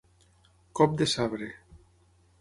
Cop de sabre.